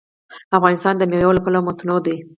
افغانستان د مېوې له پلوه متنوع دی.